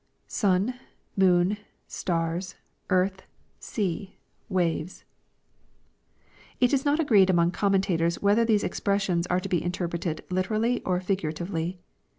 [Sun,.,7noon...stars...earth„.8ea...waves.] It is not agreed among commentators whether these expressions are to be interpreted ht erally or figuratively.